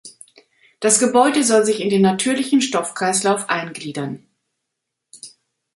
Das Gebäude soll sich in den natürlichen Stoffkreislauf eingliedern.